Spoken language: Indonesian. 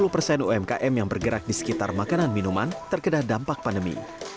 lima puluh persen umkm yang bergerak di sekitar makanan minuman terkena dampak pandemi